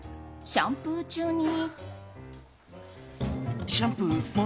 シャンプー中に。